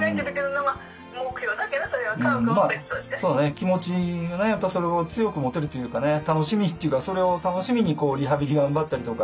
気持ちがねやっぱそれを強く持てるというかね楽しみというかそれを楽しみにリハビリ頑張ったりとか。